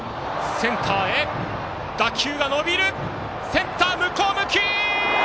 センター向こう向き！